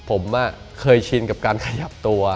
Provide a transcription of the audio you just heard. ผมเคยชินกับการขยับตัว